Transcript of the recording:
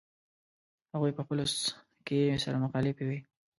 هغوی په خپلو کې سره مخالفې وې.